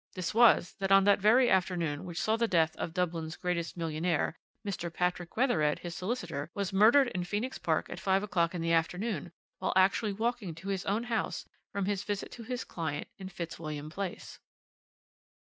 This was, that on that very afternoon which saw the death of Dublin's greatest millionaire, Mr. Patrick Wethered, his solicitor, was murdered in Phoenix Park at five o'clock in the afternoon while actually walking to his own house from his visit to his client in Fitzwilliam Place.